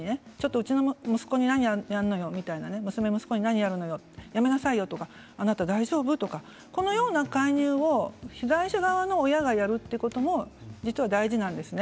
うちの息子に何を言うのよやめなさいよとかあなた大丈夫とかこのような介入を被害者側の親がやるということも実は大事なんですね。